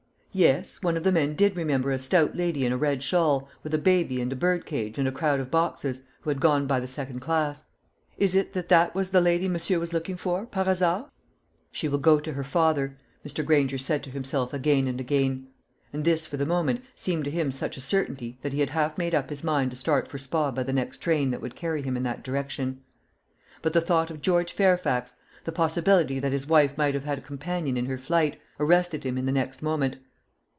Yes; one of the men did remember a stout lady in a red shawl, with a baby and a birdcage and a crowd of boxes, who had gone by the second class. Is it that that was the lady monsieur was looking for, par hasard? "She will go to her father," Mr. Granger said to himself again and again; and this for the moment seemed to him such a certainty, that he had half made up his mind to start for Spa by the next train that would carry him in that direction. But the thought of George Fairfax the possibility that his wife might have had a companion in her flight arrested him in the next moment.